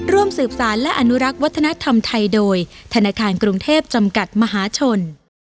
ร่วมสืบสารและอนุรักษ์วัฒนธรรมไทยโดยธนาคารกรุงเทพจำกัดมหาชน